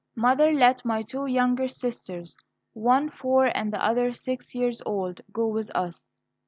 Mother let my two younger sisters, one four and the other six years old, go with us.